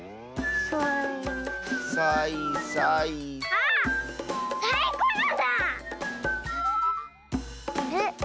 あれ？